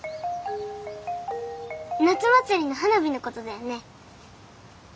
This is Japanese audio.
夏祭りの花火のことだよね？